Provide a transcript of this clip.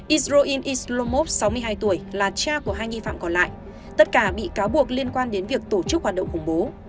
isroin islomov sáu mươi hai tuổi là cha của hai nghi phạm còn lại tất cả bị cáo buộc liên quan đến việc tổ chức hoạt động khủng bố